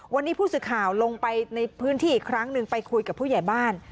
วันนี้ผู้สื่อข่าวลงไปในพื้นที่อีกครั้งหนึ่งไปคุยกับผู้ใหญ่บ้าน